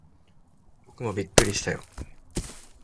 僕もびっくりしたよ。